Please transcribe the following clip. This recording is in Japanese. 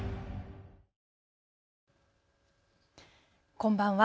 こんばんは。